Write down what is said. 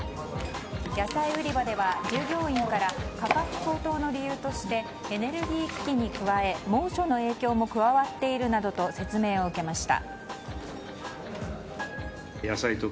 野菜売り場では従業員から価格高騰の理由としてエネルギー危機に加え猛暑の影響も加わっているなどと説明を受けました。